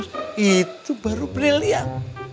itu bagus itu baru briliant